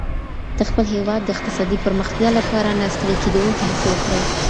د خپل هېواد د اقتصادي پرمختيا لپاره نه ستړې کېدونکې هڅي وکړئ.